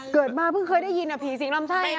เกิดมาเพิ่งได้ยินหรือหากผีสิงรำไส้